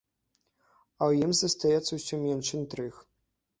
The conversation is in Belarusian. А ў ім застаецца ўсё менш інтрыг.